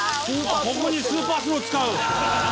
ここにスーパースロー使う！